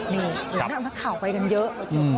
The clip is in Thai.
นี่นักข่าวไปกันเยอะ